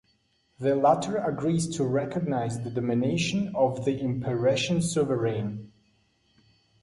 The latter agrees to recognize the domination of the Imeretian sovereign.